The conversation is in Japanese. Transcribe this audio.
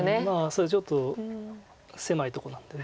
そうですねちょっと狭いとこなんで。